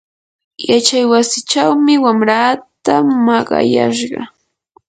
yachaywasichawmi wamraata maqayashqa.